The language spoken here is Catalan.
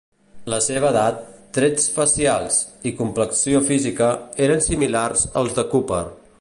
La seva edat, trets facials i complexió física eren similars als de Cooper.